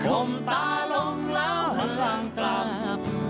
คมตาลงแล้วหลังกลับ